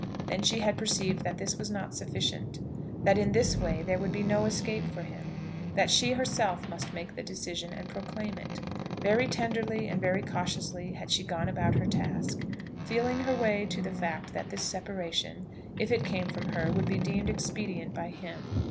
Then she had perceived that this was not sufficient; that in this way there would be no escape for him; that she herself must make the decision, and proclaim it. Very tenderly and very cautiously had she gone about her task; feeling her way to the fact that this separation, if it came from her, would be deemed expedient by him.